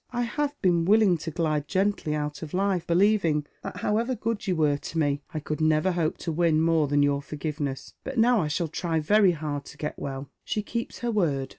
"I have been willing to glide gently out of life, believing that, ho^v'ever good yon Epihgu*. 383 Were to me, I could never hope to •win more than your forgive ness ; but now I shall try very hard to get well." She keeps her word.